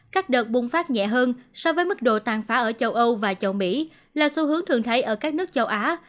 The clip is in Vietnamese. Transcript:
các đợt bùng phát nhẹ hơn so với mức độ tàn phá ở châu âu và châu mỹ là xu hướng thường thấy ở các nước châu á